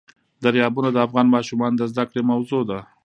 دریابونه د افغان ماشومانو د زده کړې موضوع ده.